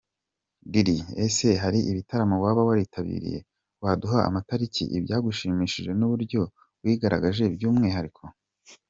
Diddy : Ese hari ibitaramo waba waritabiriye, waduha amatariki, ibyagushimishije n’uburyo wigaragaje by’umwihariko ?.